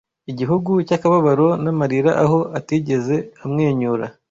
Igihugu cy'akababaro n'amarira aho atigeze amwenyura